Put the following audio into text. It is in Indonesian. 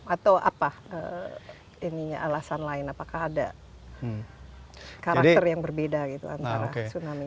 atau apa alasan lain apakah ada karakter yang berbeda gitu antara tsunami